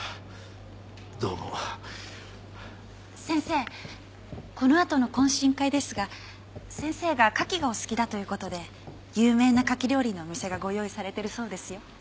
先生この後の懇親会ですが先生がカキがお好きだということで有名なカキ料理のお店がご用意されてるそうですよ。